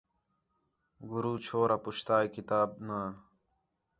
گُرو چھورا پُچھتا ہِے کتاب نا